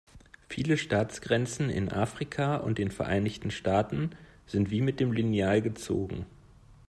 Viele Staatsgrenzen in Afrika und den Vereinigten Staaten sind wie mit dem Lineal gezogen.